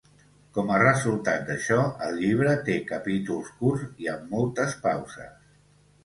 Com a resultat d'això, el llibre té capítols curts i amb moltes pauses.